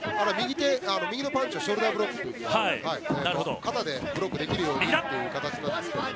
右のパンチをショルダーブロック肩でブロックできるようにという形なんですけども。